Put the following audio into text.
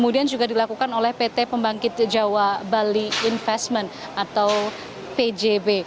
dan juga dilakukan oleh pt pembangkit jawa bali investment atau pjb